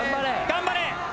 頑張れ！